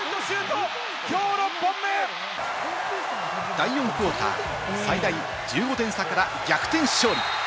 第４クオーター、最大１５点差から逆転勝利。